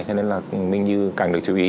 cho nên là minh như càng được chú ý